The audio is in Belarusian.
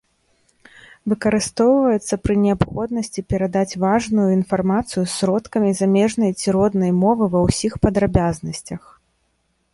Выкарыстоўваецца пры неабходнасці перадаць важную інфармацыю сродкамі замежнай ці роднай мовы ва ўсіх падрабязнасцях.